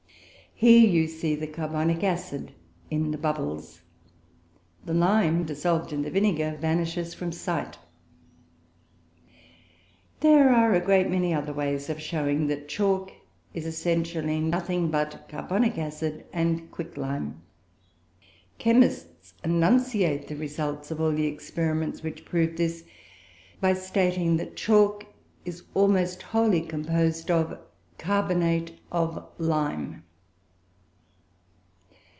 Here you see the carbonic acid in the bubbles; the lime, dissolved in the vinegar, vanishes from sight. There are a great many other ways of showing that chalk is essentially nothing but carbonic acid and quicklime. Chemists enunciate the result of all the experiments which prove this, by stating that chalk is almost wholly composed of "carbonate of lime."